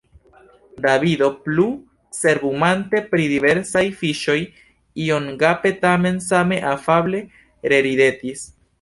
Davido, plu cerbumante pri diversaj fiŝoj, iom gape tamen same afable reridetis.